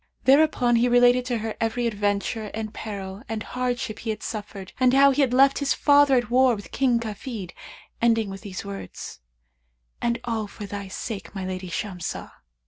Thereupon he related to her every adventure and peril and hardship he had suffered and how he had left his father at war with King Kafid, ending with these words, 'And all for thy sake, my lady Shamsah!'